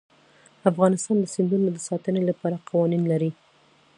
افغانستان د سیندونه د ساتنې لپاره قوانین لري.